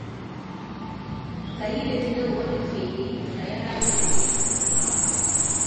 கையிலிருந்த ஒலைச்செய்தியைத் தயாராக எடுத்து வைத்துக் கொண்டான்.